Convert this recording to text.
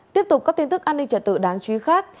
tiếp tục có tin tức an ninh trả tự đáng truy khát